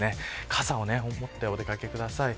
傘を持ってお出掛けください。